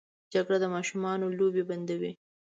جګړه د ماشومانو لوبې بندوي